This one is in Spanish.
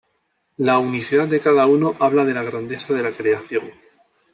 La unicidad de cada uno habla de la grandeza de la creación.